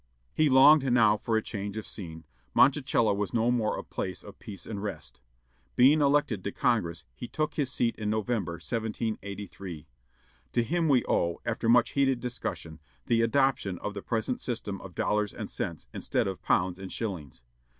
He longed now for a change of scene; Monticello was no more a place of peace and rest. Being elected to Congress, he took his seat in November, 1783. To him we owe, after much heated discussion, the adoption of the present system of dollars and cents, instead of pounds and shillings.